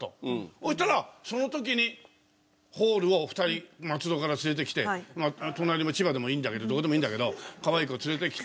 そしたらその時にホールを２人松戸から連れてきて隣の千葉でもいいんだけどどこでもいいんだけどかわいい子連れてきて。